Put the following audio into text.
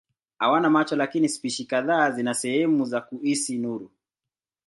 Hawana macho lakini spishi kadhaa zina sehemu za kuhisi nuru.